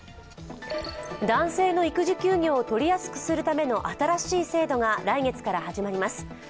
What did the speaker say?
男性の育児休業を取りやすくするための新しい制度が来月から始まります。